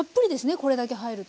これだけ入ると。